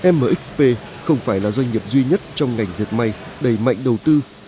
mxp không phải là doanh nghiệp duy nhất trong ngành diệt may đầy mạnh đầu tư